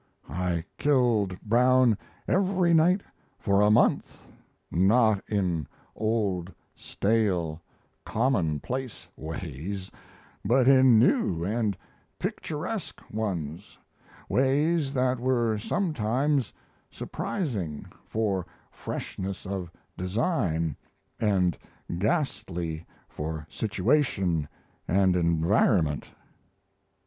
I killed Brown every night for a month; not in old, stale, commonplace ways, but in new and picturesque ones ways that were sometimes surprising for freshness of design and ghastly for situation and environment.